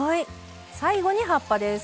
最後に葉っぱです。